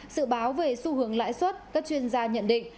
sự báo về xu hướng lãi suất các chuyên gia nhận định